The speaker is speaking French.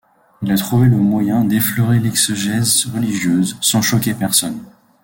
Il a trouvé le moyen d’effleurer l’exégèse religieuse sans choquer personne.